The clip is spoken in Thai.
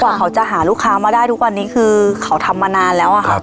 กว่าเขาจะหารุคค้ามาได้ทุกวันนี้คือเขาทำมานานแล้วอ่ะค่ะครับ